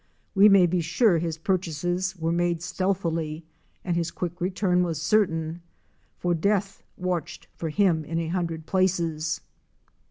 We may be sure his purchases were made stealthily and his quick return was certain, for death watched for him in a hundred places.